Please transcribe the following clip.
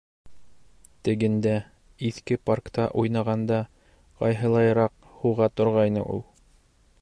Тегендә, иҫке паркта уйнағанда ҡайһылайыраҡ һуға торғайны ул.